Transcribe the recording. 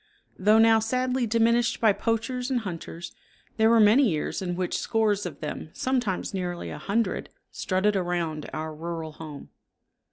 Though now sadly diminished by poachers and hunters, there were many years in which scores of them, sometimes nearly a hundred, strutted around our rural home.